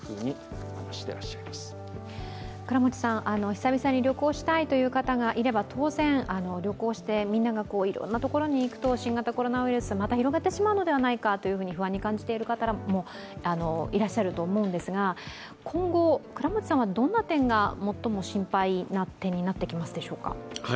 久々に旅行したという方がいれば当然、旅行してみんながいろんなところに行くと新型コロナウイルス、また広がってしまうのではないかと不安に感じている方もいらっしゃると思うんですが今後、倉持さんはどんな点が最も心配な点になってきますでしょうか。